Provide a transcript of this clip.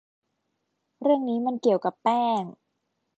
เรื่องนี้มันเกี่ยวกับแป้ง